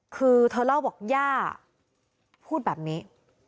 คือเธอเล่าบอกย่าพูดแบบนี้